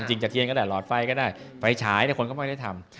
จะเทียนก็ได้หลอดไฟก็ได้ไฟฉายคนก็ไม่ได้ทำ